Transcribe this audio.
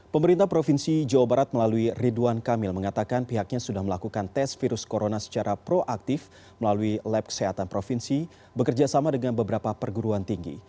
pemerintah provinsi jawa barat melalui ridwan kamil mengatakan pihaknya sudah melakukan tes virus corona secara proaktif melalui lab kesehatan provinsi bekerja sama dengan beberapa perguruan tinggi